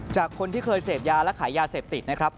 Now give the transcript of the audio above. จากคนที่เคยเสพยาและขายยาเสพติดนะครับ